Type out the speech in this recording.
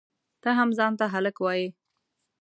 ته هم ځان ته هلک وایئ؟!